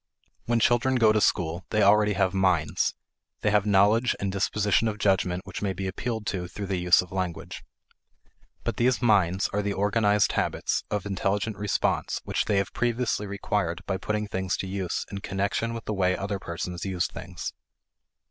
When children go to school, they already have "minds" they have knowledge and dispositions of judgment which may be appealed to through the use of language. But these "minds" are the organized habits of intelligent response which they have previously required by putting things to use in connection with the way other persons use things.